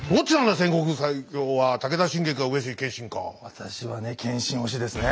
私はね謙信推しですね。